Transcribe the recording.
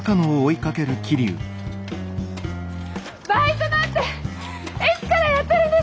バイトなんていつからやってるんですか？